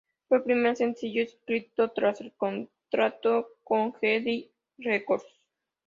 Fue el primer sencillo escrito tras el contrato con Geffen Records.